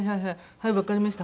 「はいわかりました。